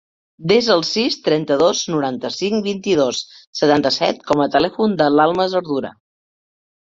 Desa el sis, trenta-dos, noranta-cinc, vint-i-dos, setanta-set com a telèfon de l'Almas Ardura.